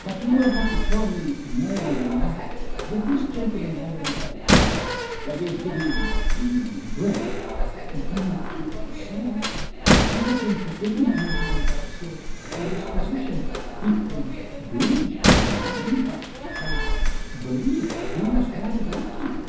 "But you will have to tell me more than that. Did this gentleman have any bad habits? That is, did he–er–drink?" "Not to excess. He had been forbidden anything of that sort by his physician. He played bridge for money, but I–believe he was rather lucky."